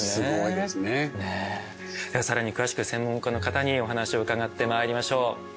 では更に詳しく専門家の方にお話を伺ってまいりましょう。